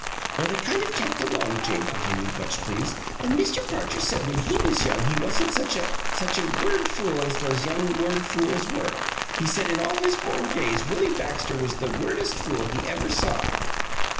"Well, they kind of talked along," Jane continued, much pleased; "an' Mr. Parcher said when he was young he wasn't any such a such a word fool as these young word fools were. He said in all his born days Willie Baxter was the wordest fool he ever saw!"